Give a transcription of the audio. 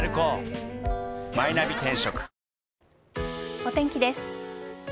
お天気です。